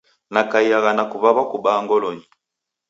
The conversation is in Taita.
Nakaiagha na kuw'aw'a kubaa ngolonyi.